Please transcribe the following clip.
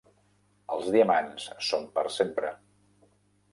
Els diamants són per sempre.